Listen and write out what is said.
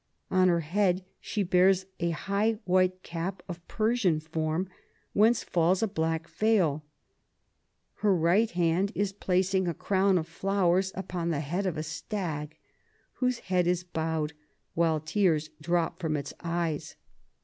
On her head she bears a high white cap of Persian form, whence falls a black veil. Her right hand is placing a crown of flowers upon the head of a stag, whose head is bowed, while tears drop from its eyes.